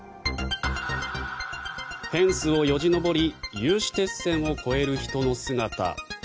フェンスをよじ登り有刺鉄線を越える人の姿。